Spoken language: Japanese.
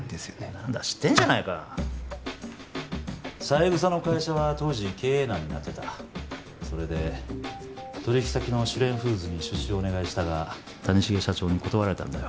何だ知ってんじゃないか三枝の会社は当時経営難になってたそれで取引先の朱蓮フーズに出資をお願いしたが谷繁社長に断られたんだよ